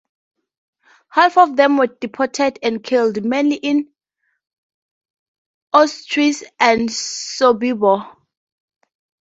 Half of them were deported and killed, mainly in Auschwitz and Sobibor.